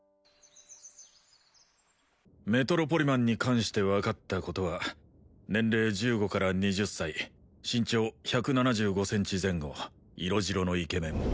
メトロポリマンに関して分かったことは年齢１５から２０歳身長１７５ｃｍ前後色白のイケメン